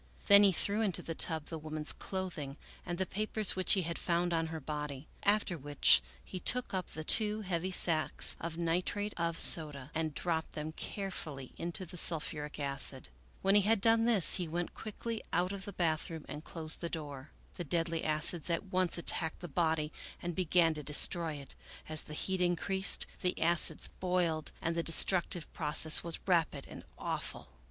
Then he threw into the tub the woman's clothing and the papers which he had found on her body, after which he took up the two heavy sacks of nitrate of soda and dropped them carefully into the sulphuric acid. When he had done this he went quickly out of the bath room and closed the door. The deadly acids at once attacked the body and began to destroy it; as the heat increased, the acids boiled and the destructive process was rapid and awful.